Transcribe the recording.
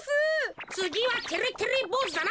つぎはてれてれぼうずだな。